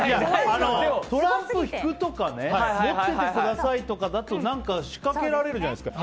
トランプ引くとか持っててくださいだと何か仕掛けられるじゃないですか。